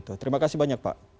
terima kasih banyak pak